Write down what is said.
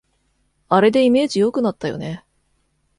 あれでイメージ良くなったよね